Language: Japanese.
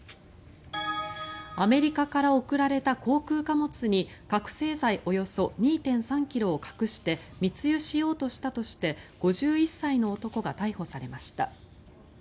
アメリカから送られた航空貨物に覚醒剤およそ２．３ｋｇを隠して密輸しようとしたとして５１歳の男が逮捕されました。